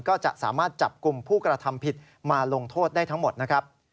ก็จะสามารถจับกลุ่มผู้กระทำผิดมาลงโทษได้ทั้งหมดนะครับ